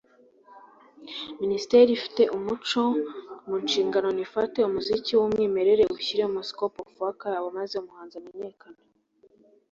Minisiteri ifite umuco mu nshingano nifate umuziki w’umwimerere iwushyire muri “scope of work” yabo maze umuhanzi amenyekane